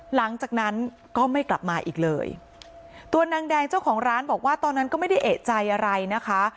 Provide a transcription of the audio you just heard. หลังจากนั้นก็ไม่กลับมาอีกเลยตัวนางแดงเจ้าของร้านบอกว่าตอนนั้นก็ไม่ได้เอกใจอะไรนะคะ